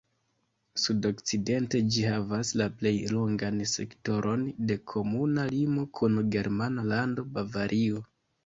Sudokcidente ĝi havas la plej longan sektoron de komuna limo kun germana lando Bavario.